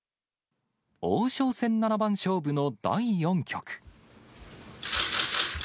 王将戦七番勝負の第４局。